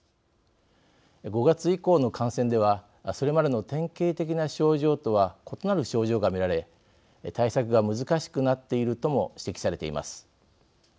５月以降の感染ではそれまでの典型的な症状とは異なる症状が見られ対策が難しくなっているとも指摘されています。